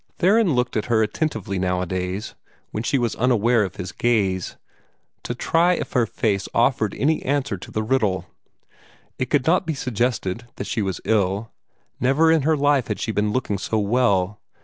Theron looked at her attentively nowadays, when she was unaware of his gaze, to try if her face offered any answer to the riddle. It could not be suggested that she was ill. Never in her life had she been looking so well.